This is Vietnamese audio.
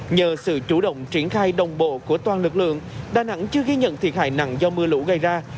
nhờ sự chủ động triển khai đồng bộ của toàn lực lượng đà nẵng chưa ghi nhận thiệt hại nặng do mưa lũ gây ra